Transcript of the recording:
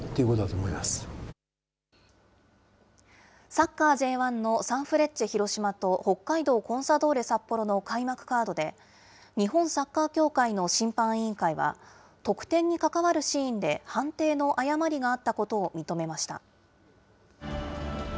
サッカーＪ１のサンフレッチェ広島と、北海道コンサドーレ札幌の開幕カードで、日本サッカー協会の審判委員会は、得点に関わるシーンで判定の誤りがあったことを認めました。